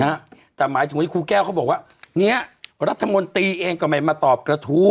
นะฮะแต่หมายถึงว่าครูแก้วเขาบอกว่าเนี้ยรัฐมนตรีเองก็ไม่มาตอบกระทู้